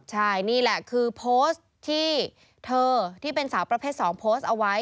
ใช่นี่แหละคือโพสต์ที่เธอที่เป็นสาวประเภท๒โพสต์เอาไว้